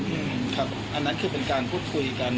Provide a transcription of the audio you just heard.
ครับอันนั้นคือเป็นการพูดคุยกัน